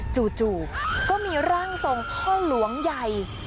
จู่ก็มีร่างทรงพ่อหลวงใหญ่